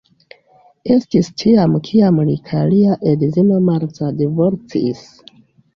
Estis tiam kiam li kaj lia edzino Martha divorcis.